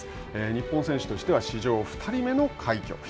日本選手としては史上２人目の快挙。